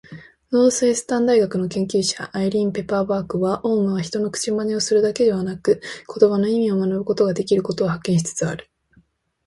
ノースウエスタン大学の研究者、アイリーン・ペパーバーグは、オウムは人の口まねをするだけでなく言葉の意味を学ぶことができることを発見しつつある。